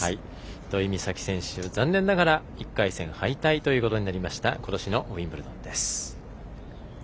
土居美咲選手残念ながら１回戦敗退ということになりましたことしのウィンブルドンです。